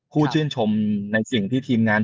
ชื่นชมในสิ่งที่ทีมงาน